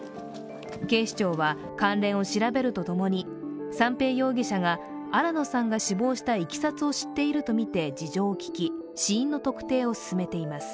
警視庁は関連を調べると共に、三瓶容疑者が新野さんが死亡したいきさつを知っているとみて事情を聞き死因の特定を進めています。